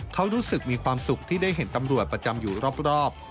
เขารู้สึกมีความสุขที่ได้เห็นตำรวจประจำอยู่รอบ